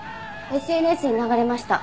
ＳＮＳに流れました。